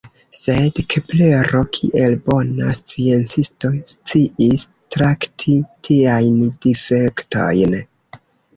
Sed Keplero, kiel bona sciencisto, sciis trakti tiajn difektojn.